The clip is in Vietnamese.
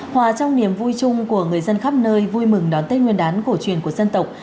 hòa trong niềm vui chung của người dân khắp nơi vui mừng đón tết nguyên đán cổ truyền của dân tộc